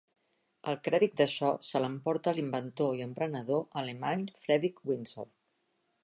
El crèdit d'això se l'emporta l'inventor i emprenedor alemany Fredrick Winsor.